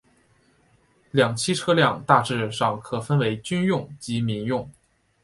两栖车辆大致上可分为军用及民用。